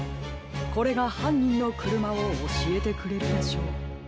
これがはんにんのくるまをおしえてくれるでしょう。